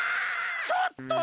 ちょっと！